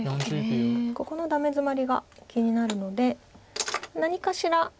ここのダメヅマリが気になるので何かしら。